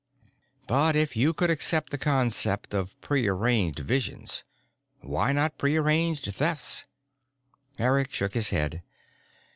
But if you could accept the concept of pre arranged visions, why not pre arranged Thefts? Eric shook his head.